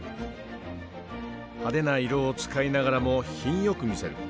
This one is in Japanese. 派手な色を使いながらも品よく見せる。